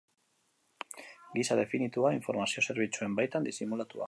Gisa definitua, informazio zerbitzuen baitan disimulatua.